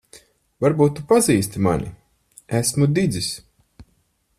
Varbūt tu pazīsti mani. Esmu Didzis.